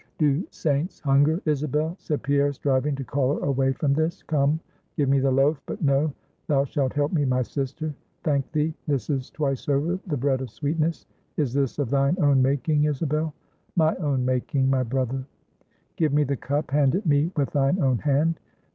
"Do saints hunger, Isabel?" said Pierre, striving to call her away from this. "Come, give me the loaf; but no, thou shalt help me, my sister. Thank thee; this is twice over the bread of sweetness. Is this of thine own making, Isabel?" "My own making, my brother." "Give me the cup; hand it me with thine own hand.